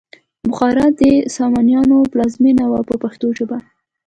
بخارا د سامانیانو پلازمینه وه په پښتو ژبه.